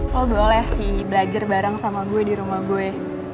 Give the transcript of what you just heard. lo boleh sih belajar bareng sama gue di rumah gue